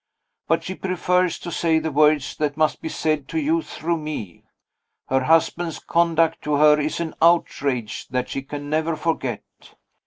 But she prefers to say the words that must be said to you, through me. Her husband's conduct to her is an outrage that she can never forget.